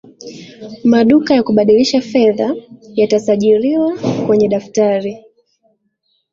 maduka ya kubadilisha fedha yatasajiriwa kwenye daftari